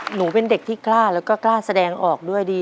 หนูเป็นเด็กที่กล้าแล้วก็กล้าแสดงออกด้วยดี